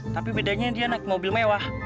tapi bedanya dia naik mobil mewah